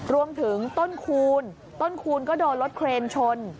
รวมถึงต้นคูณต้นคูณก็โดนรถเครนชน